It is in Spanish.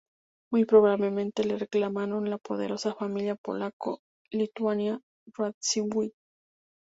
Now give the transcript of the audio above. Muy probablemente le reclamó la poderosa familia polaco-lituana Radziwiłł.